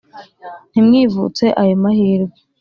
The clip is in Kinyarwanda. ntimwivutse ayo mahirwe